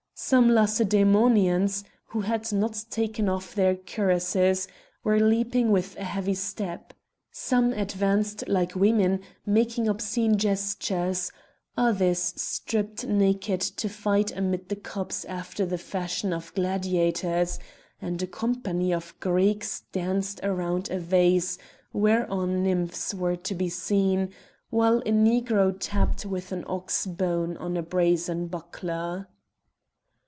Some Lacedæmonians, who had not taken off their cuirasses, were leaping with a heavy step. Some advanced like women, making obscene gestures; others stripped naked to fight amid the cups after the fashion of gladiators, and a company of Greeks danced around a vase whereon nymphs were to be seen, while a Negro tapped with an ox bone on a brazen buckler.